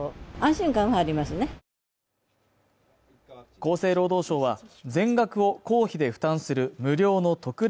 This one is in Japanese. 厚生労働省は全額を公費で負担する無料の特例